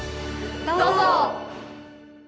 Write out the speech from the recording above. どうぞ！